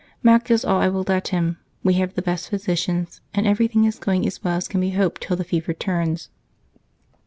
Mac does all I will let him. We have the best physicians, and everything is going as well as can be hoped till the fever turns.